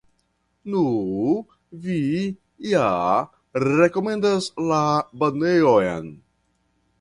Nu, vi ja rekomendas la banejon.